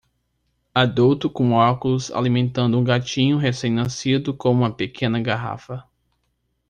Adulto com óculos alimentando um gatinho recém-nascido com uma pequena garrafa